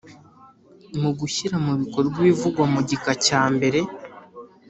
Mu gushyira mu bikorwa ibivugwa mu gika cya mbere